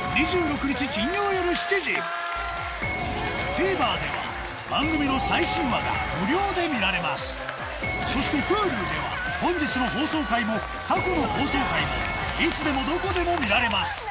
ＴＶｅｒでは番組の最新話が無料で見られますそしてＨｕｌｕでは本日の放送回も過去の放送回もいつでもどこでも見られます